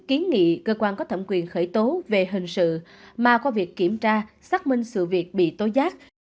kiến nghị cơ quan có thẩm quyền khởi tố về hình sự mà qua việc kiểm tra xác minh sự việc bị tối giác